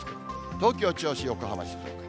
東京、銚子、横浜、静岡。